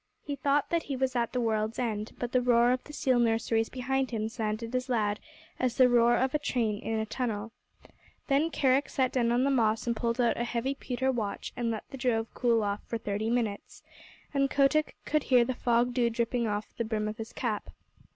He thought that he was at the world's end, but the roar of the seal nurseries behind him sounded as loud as the roar of a train in a tunnel. Then Kerick sat down on the moss and pulled out a heavy pewter watch and let the drove cool off for thirty minutes, and Kotick could hear the fog dew dripping off the brim of his cap.